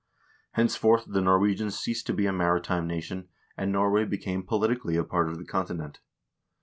Henceforth the Norwegians ceased to be a maritime nation, and Norway became politically a part of the continent.